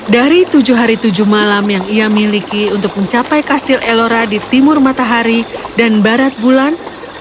dari tujuh hari tujuh malam yang ia miliki untuk mencapai kastil ellora di timur matahari dan barat bulan